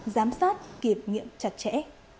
giám sát kiểm nghiệm chặt chẽ